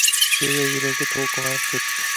Go`yo yuragi to`lqinlanib ketdi